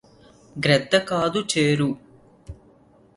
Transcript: గ్రద్ద కాడు చేరు